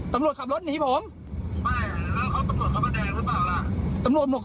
ตำรวจหมวกส้มอ่ะตำรวจไหนอ่ะ